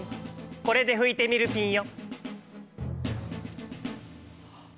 これでふいてみるピンよ。